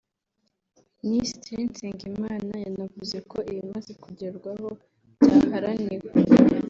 Minisitiri Nsengimana yanavuze ko ibimaze kugerwaho byaharaniwe